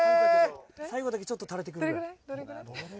最後だけちょっとたれてくくらい。